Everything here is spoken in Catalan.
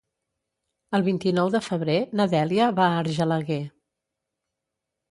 El vint-i-nou de febrer na Dèlia va a Argelaguer.